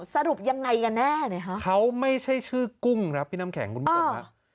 สรุปยังไงกันแน่นะคะเขาไม่ใช่ชื่อกุ้งครับพี่น้ำแข็งคุณผู้ชมฮะ